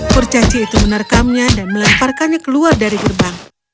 kurcaci itu menerekamnya dan meleparkannya keluar dari gerbang